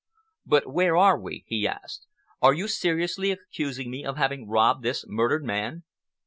"But where are we?" he asked. "Are you seriously accusing me of having robbed this murdered man?"